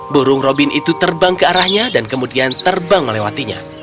burung robin itu terbang ke arahnya dan kemudian terbang melewatinya